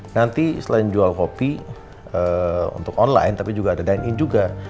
nanti selain jual kopi untuk online tapi juga ada dine in juga